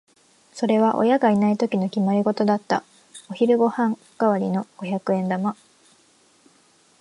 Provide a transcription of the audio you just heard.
それは親がいないときの決まりごとだった。お昼ご飯代わりの五百円玉。